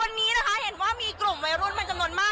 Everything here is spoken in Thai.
วันนี้นะคะเห็นว่ามีกลุ่มวัยรุ่นเป็นจำนวนมาก